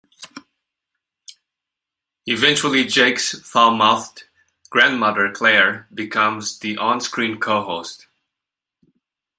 Eventually Jake's foul-mouthed grandmother, Claire, becomes the on-screen co-host.